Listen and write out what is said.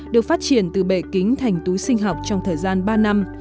được phát triển từ bể kính thành túi sinh học trong thời gian ba năm